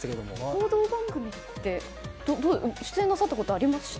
報道番組って出演なさったことありました？